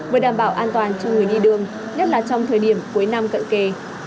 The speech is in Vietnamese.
vừa đảm bảo an toàn cho người đi đường nhất là trong thời điểm cuối năm cận kề